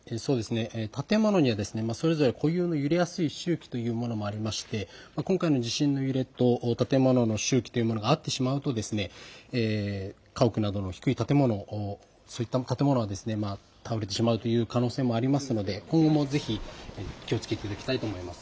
建物にはそれぞれ揺れやすい周期というものがありまして今回の地震の揺れと建物の周期というものが合ってしまうと家屋のなどの低い建物、倒れてしまうという可能性もありますので今後も気をつけていただきたいと思います。